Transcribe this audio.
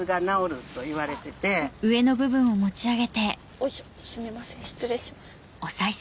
おいしょすみません失礼します。